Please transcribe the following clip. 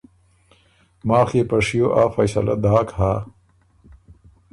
ماخ يې په شیو آ فیصَلۀ داک هۀ